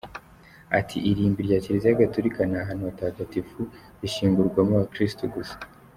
Ati “Irimbi rya Kiliziya Gatolika ni ahantu hatagatifu rishyingurwamo abakirisitu gusa.